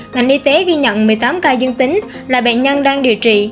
ngành y tế ghi nhận một mươi tám ca dương tính là bệnh nhân đang điều trị